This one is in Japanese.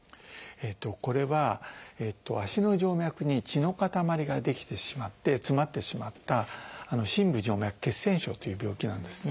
これは足の静脈に血の塊が出来てしまって詰まってしまった深部静脈血栓症という病気なんですね。